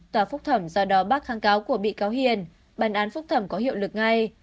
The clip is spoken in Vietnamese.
tòa phúc thẩm do đó bác kháng cáo của bị cáo hiền bản án phúc thẩm có hiệu lực ngay